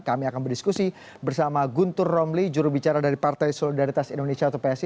kami akan berdiskusi bersama guntur romli jurubicara dari partai solidaritas indonesia atau psi